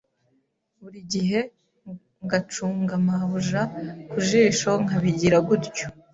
Buri gihe ngacunga Mabuja ku jisho nkabigira gutyo.